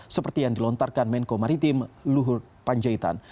seperti yang dilontarkan menko maritim luhut panjaitan